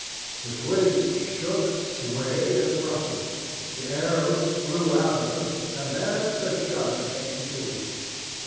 The twigs shook, swayed, and rustled, the arrows flew out of them, and then the shutter came to.